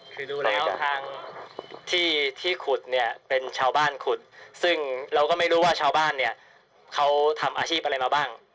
เพราะที่ขุดเป็นชาวบ้านขุดซึ่งเราก็ไม่รู้ว่าชาวบ้านเขาทำอาชีพอะไรมาบ้าง